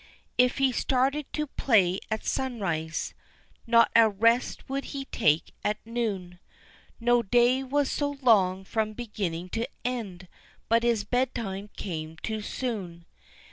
If he started to play at sunrise, Not a rest would he take at noon; No day was so long from beginning to end But his bed time came too soon.